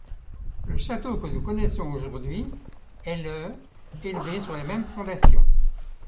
Le château que nous connaissons aujourd'hui est le élevé sur les mêmes fondations.